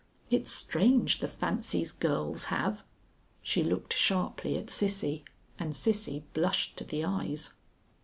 It's strange the fancies girls have." She looked sharply at Cissie, and Cissie blushed to the eyes.